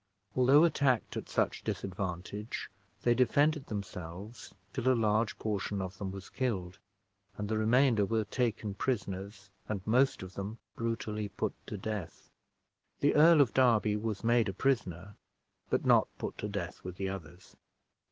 Although attacked at such disadvantage, they defended themselves till a large portion of them was killed, and the remainder were taken prisoners, and most of them brutally put to death. The Earl of Derby was made a prisoner, but not put to death with the others.